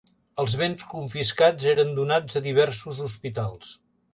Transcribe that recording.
Els béns confiscats eren donats a diversos hospitals.